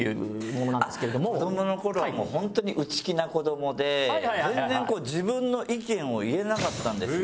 あっ子どもの頃はもう本当に内気な子どもで全然自分の意見を言えなかったんですよ。